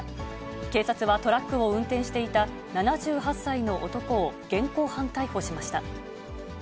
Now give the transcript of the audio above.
警察はトラックを運転していた７８歳の男を現行犯逮捕しました。